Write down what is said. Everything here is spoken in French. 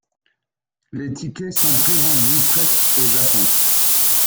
Les tickets sont pré-vendus presque au Japon.